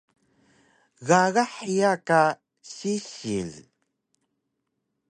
Gaga hiya ka sisil?